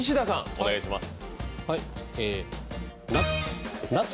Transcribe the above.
お願いします。